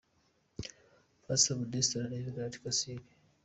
Pastor Modeste na Rev Karisimbi J.